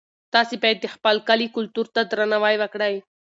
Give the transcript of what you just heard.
تاسي باید د خپل کلي کلتور ته درناوی وکړئ.